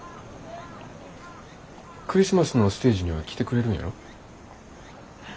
クリスマスのステージには来てくれるんやろ？